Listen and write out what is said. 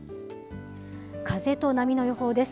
風と波の予報です。